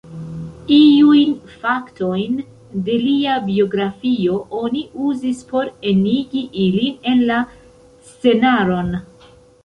Iujn faktojn de lia biografio oni uzis por enigi ilin en la scenaron.